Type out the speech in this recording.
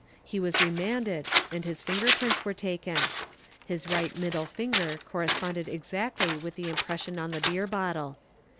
He was remanded and his finger prints were taken. His right middle finger corresponded exactly with the impression on the beer bottle.